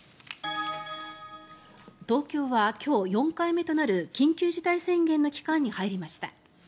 東京は今日４回目となる緊急事態宣言の期間に入りました。